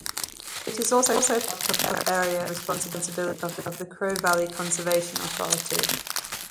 It is also part of area of responsibility of the Crowe Valley Conservation Authority.